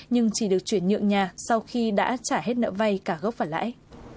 nhưng chỉ được chuyển nhượng nhà sau khi đã trả hết nợ vay cả gốc và lãi